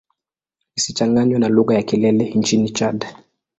Isichanganywe na lugha ya Kilele nchini Chad.